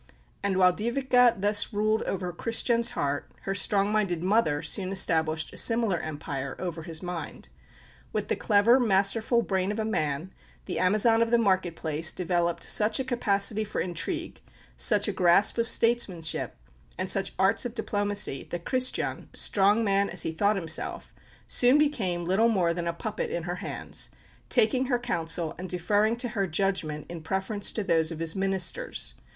And while Dyveke thus ruled over Christian's heart, her strong minded mother soon established a similar empire over his mind. With the clever, masterful brain of a man, the Amazon of the market place developed such a capacity for intrigue, such a grasp of statesmanship and such arts of diplomacy that Christian, strong man as he thought himself, soon became little more than a puppet in her hands, taking her counsel and deferring to her judgment in preference to those of his ministers.